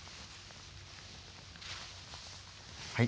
はい。